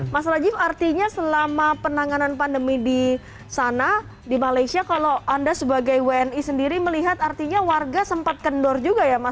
mas rajiv artinya selama penanganan pandemi di sana di malaysia kalau anda sebagai wni sendiri melihat artinya warga sempat kendor juga ya mas